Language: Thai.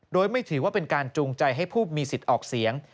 โดยไม่ถือว่าเป็นการจูงใจให้ผู้มีสิทธิ์ออกเสียง